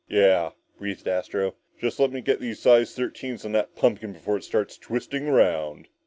"Yeah," breathed Astro, "just let me get my size thirteens on that pumpkin before it starts twisting around!"